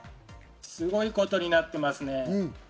すごいことになってますね。